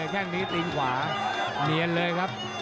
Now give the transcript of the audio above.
แค่งนี้ตีนขวาเนียนเลยครับ